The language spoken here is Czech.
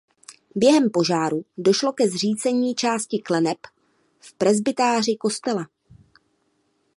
Během požáru došlo ke zřícení části kleneb v presbytáři kostela.